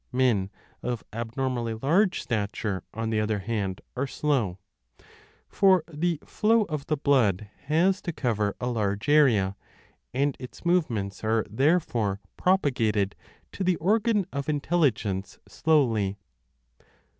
2 Men of abnormally large stature, on the other 10 hand, are slow, for the flow of the blood has to cover a large area, and its movements are therefore propagated to the organ of intelligence slowly.